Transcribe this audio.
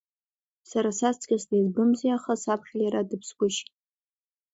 Сара саҵкыс деиҵбымзи, аха саԥхьа иара дыԥсгәышьит.